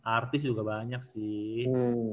artis juga banyak sih